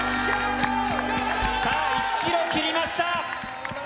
さあ、１キロ切りました。